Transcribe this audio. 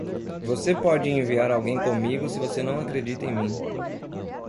Você pode enviar alguém comigo se você não acredita em mim!